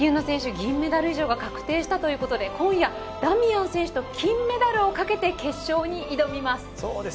銀メダル以上が確定したということで今夜、ダミアン選手と金メダルをかけて決勝に挑みます。